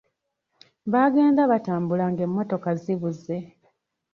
Baagenda batambula ng'emmotoka zibuze.